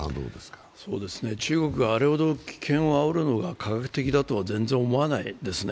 中国があれほど危険をあおるのが科学的だとは全然思わないですね。